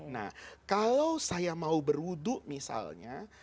nah kalau saya mau berwudu misalnya